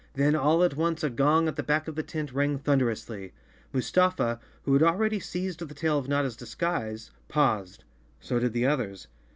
Then all at once a gong at the back of the tent rang thunderously. Mustafa, who had already seized the tail of Notta's dis¬ guise, paused. So did the others.